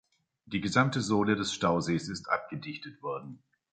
Die gesamte Sohle des Stausees ist abgedichtet worden.